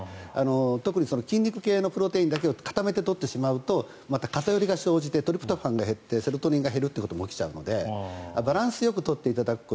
特に筋肉系のプロテインだけを固めて取ってしまうとまた偏りが生じてトリプトファンが増えてセロトニンが減るということもあってバランスよく取ってもらう。